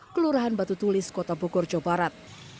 kelurahan batu tulis kota bogor jawa barat